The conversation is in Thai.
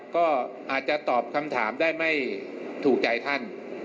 ก็อาจจะตอบคำถามได้ไม่ถูกใจท่าน